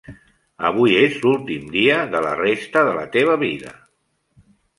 Avui és l"últim dia de la resta de la teva vida.